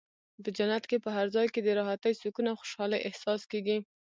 په جنت کې په هر ځای کې د راحتۍ، سکون او خوشحالۍ احساس کېږي.